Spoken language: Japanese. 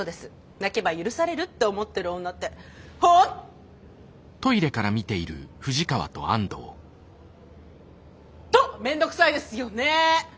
泣けば許されるって思ってる女ってホンット面倒くさいですよね。